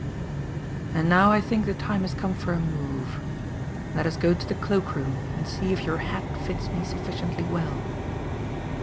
And now I think the time has come for a move. Let us go to the cloak room and see if your hat fits me sufficiently well."